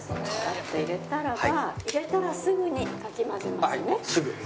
バッと入れたらば入れたらすぐにかき混ぜますね。